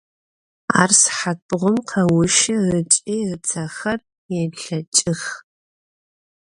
Ar sıhat bğum kheuşı ıç'i ıtsexer yêlheç'ıx.